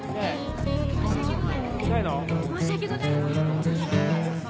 申し訳ございません。